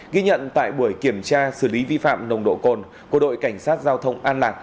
ghi nhận tại buổi kiểm tra xử lý vi phạm nồng độ cồn của đội cảnh sát giao thông an lạc